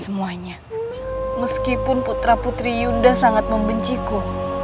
meskipun putra putri yunda sangat membenciku